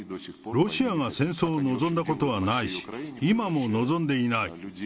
ロシアが戦争を望んだことはないし、今も望んでいない。